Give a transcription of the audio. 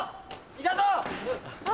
いたぞ！